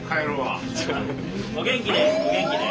お元気で。